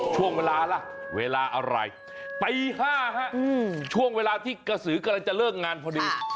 ช่วงเวลาล่ะเวลาอะไรตี๕ฮะช่วงเวลาที่กระสือกำลังจะเลิกงานพอดี